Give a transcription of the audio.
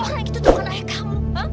orang itu tuh karena ayah kamu